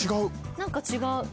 何か違う。